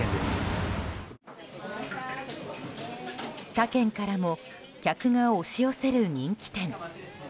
他県からも客が押し寄せる人気店。